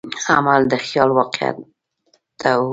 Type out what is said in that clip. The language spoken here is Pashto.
عمل د خیال واقعیت ته اړوي.